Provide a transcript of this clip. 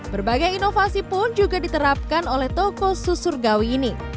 berbagai inovasi pun juga diterapkan oleh toko susur gawi ini